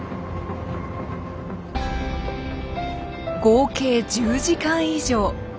合計１０時間以上。